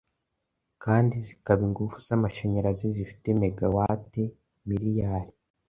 kandi zikaba ingufu z’amashanyarazi zifite mega wate miriyari,